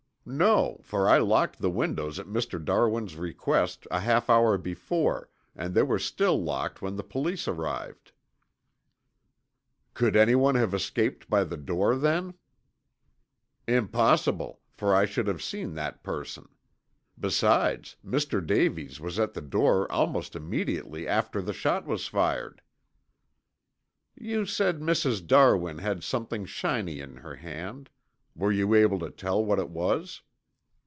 "No, for I locked the windows at Mr. Darwin's request a half hour before, and they were still locked when the police arrived." "Could anyone have escaped by the door then?" "Impossible, for I should have seen that person. Besides, Mr. Davies was at the door almost immediately after the shot was fired." "You said Mrs. Darwin had something shiny in her hand. Were you able to tell what it was?"